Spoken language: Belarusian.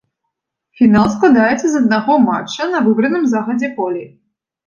Фінал складаецца з аднаго матча на выбраным загадзя полі.